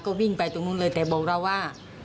ก็วิ่งไปตรงนู้นเลยแต่บอกเราว่า